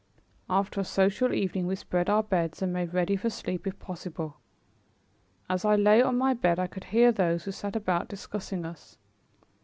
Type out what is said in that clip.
After a social evening we spread our beds and made ready for sleep, if possible. As I lay on my bed, I could hear those who sat about discussing us.